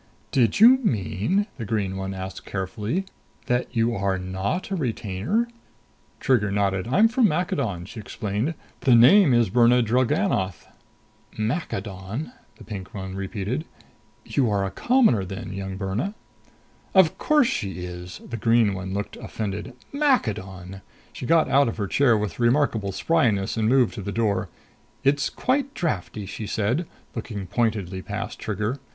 "Did you mean," the green one asked carefully, "that you are not a retainer?" Trigger nodded. "I'm from Maccadon," she explained. "The name is Birna Drellgannoth." "Maccadon," the pink one repeated. "You are a commoner then, young Birna?" "Of course she is!" The green one looked offended. "Maccadon!" She got out of her chair with remarkable spryness and moved to the door. "It's quite drafty," she said, looking pointedly past Trigger.